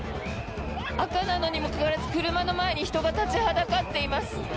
赤なのにもかかわらず車の前に人が立ちはだかっています。